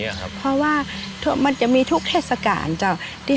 ชุมชนนี้อะครับเพราะว่ามันจะมีทุกเทศกาลเจ้าที่